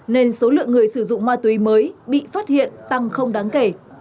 nên số lượng người sử dụng ma túy mới bị phát hiện tăng không đáng kể